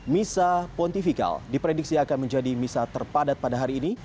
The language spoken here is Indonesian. misa pontifikal diprediksi akan menjadi misa terpadat pada hari ini